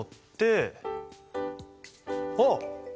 あっ！